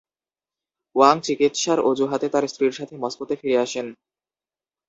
Wang চিকিৎসার অজুহাতে তার স্ত্রীর সাথে মস্কোতে ফিরে আসেন।